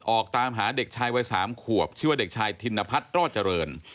ออกตามหาเด็กชายวัย๓ขวบชื่อว่าเด็กชายธินพัฒน์รอดเจริญ